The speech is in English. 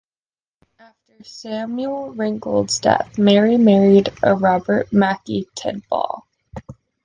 After Samuel Ringold's death Marie married a Robert Mackey Tidball.